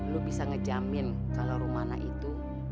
lu bisa ngejamin kalau rumana itu